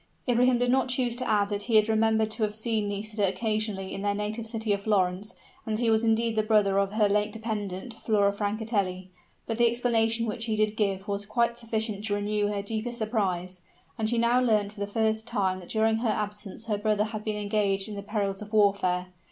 Ibrahim did not choose to add that he had remembered to have seen Nisida occasionally in their native city of Florence, and that he was indeed the brother of her late dependent, Flora Francatelli. But the explanation which he did give was quite sufficient to renew her deepest surprise, as she now learnt for the first time that during her absence her brother had been engaged in the perils of warfare.